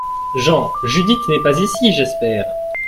JEAN : Judith n’est pas ici, j’espère ?